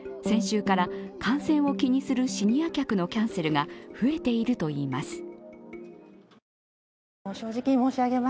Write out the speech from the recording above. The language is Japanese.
先週から感染を気にするシニア客のキャンセルが増えているといいます。